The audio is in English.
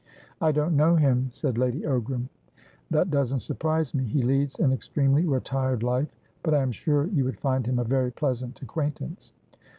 "I don't know him," said Lady Ogram. "That doesn't surprise me. He leads an extremely retired life. But I am sure you would find him a very pleasant acquaintance."